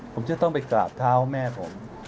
ผมจะต้องไปกราบเท้าแม่ผม